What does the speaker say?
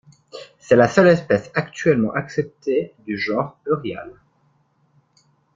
C'est la seule espèce actuellement acceptée du genre Euryale.